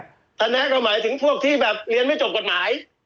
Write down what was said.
คณะก็หมายถึงพวกที่แบบเรียนไม่จบกฎหมาย